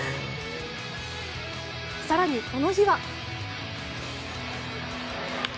更にこの日は。